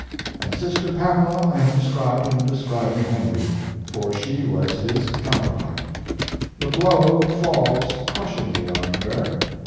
And sister Pamela I have described in describing Henry; for she was his counterpart. The blow falls crushingly on her.